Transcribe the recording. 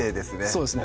そうですね